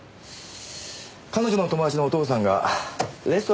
彼女の友達のお父さんがレストランをやっているんです。